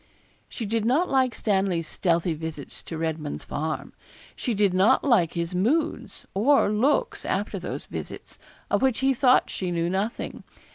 She did not like Stanley's stealthy visits to Redman's Farm; she did not like his moods or looks after those visits, of which he thought she knew nothing.